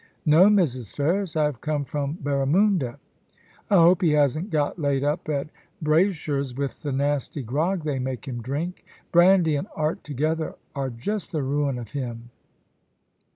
' No, Mrs. Ferris. I have come from Barramunda.' * I hope he hasn't got laid up at Braysher's with the nasty grog they make him drinL Brandy and art together, are just the ruin of him.'